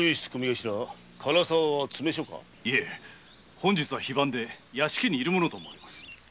本日は非番で屋敷に居ると思います。